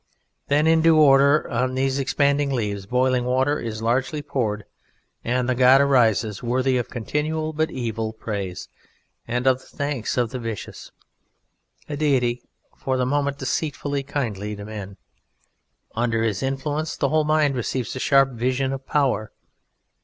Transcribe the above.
Then, in due order, on these expanding leaves Boiling Water is largely poured and the god arises, worthy of continual but evil praise and of the thanks of the vicious, a Deity for the moment deceitfully kindly to men. Under his influence the whole mind receives a sharp vision of power.